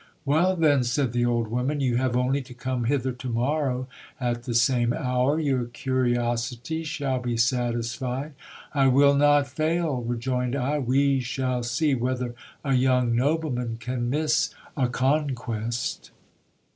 Well, then, said the old woman, you have only to come hither to morrow at the same hour, your curiosity shall be satisfied. I will not fail, rejoined I ; we shall see whether a young nobleman can miss a conquest.